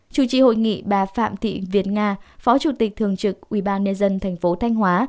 chủ trì hội nghị bà phạm thị việt nga phó chủ tịch thường trực ubnd tp thanh hóa